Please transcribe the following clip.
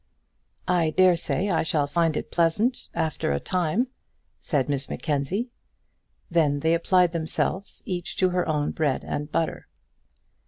"I dare say I shall find it pleasant, after a time," said Miss Mackenzie. Then they applied themselves each to her own bread and butter.